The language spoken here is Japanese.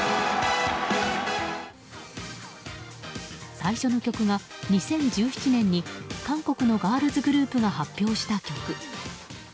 最初の曲が、２０１７年に韓国のガールズグループが発表した曲。